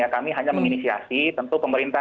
kami hanya menginisiasi tentu pemerintah